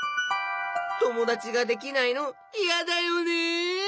ともだちができないのいやだよね！